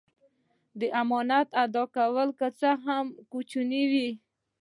د امانت ادا کوه که څه هم کوچنی وي.